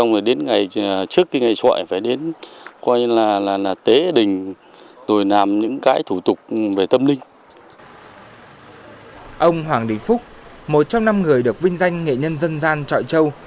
một trong năm người được vinh danh nghệ nhân dân gian chợ châu